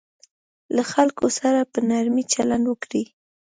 له خلکو سره په نرمي چلند وکړئ.